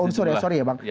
dua unsur ya sorry ya bang